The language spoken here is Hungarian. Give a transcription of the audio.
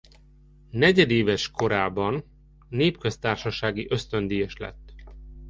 Negyedéves korában népköztársasági ösztöndíjas lett.